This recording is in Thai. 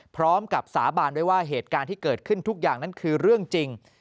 พร้อมกับสาบานด้วยว่าเหตุการณ์ที่เกิดขึ้นทุกอย่างนั้นคือเรื่องจริง